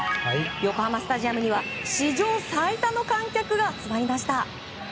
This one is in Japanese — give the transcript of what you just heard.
横浜スタジアムには史上最多の観客が集まりました。